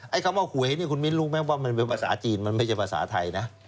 คำว่าหวยนี่คุณมิ้นรู้ไหมว่ามันเป็นภาษาจีนมันไม่ใช่ภาษาไทยนะ